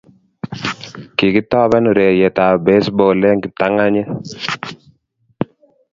Kikitoben urereitab besbol eng kiptanganyit